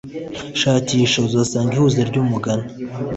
shakisha uzasanga ihuza ryumugani